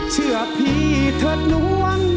เชื่อพี่เถิดล้วน